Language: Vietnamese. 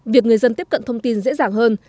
việc người dân tiếp cận thông tin dễ dàng hơn